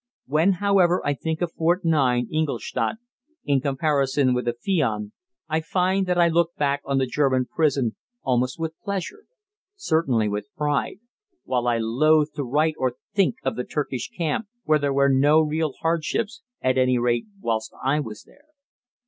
When, however, I think of Fort 9, Ingolstadt, in comparison with Afion, I find that I look back on the German prison almost with pleasure certainly with pride while I loathe to write or think of the Turkish camp where there were no real hardships, at any rate whilst I was there.